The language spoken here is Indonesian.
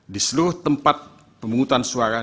di seluruh tempat pemungutan suara